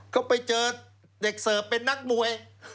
ก็ไปเจอเด็กเสิร์ฟเป็นนักมวย